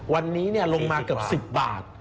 วันนี้ลงมาเกือบ๑๐บาท